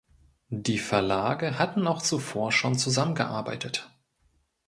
Die Verlage hatten auch zuvor schon zusammengearbeitet.